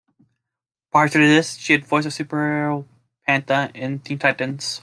Prior to this, she had voiced the superheroine Pantha in "Teen Titans".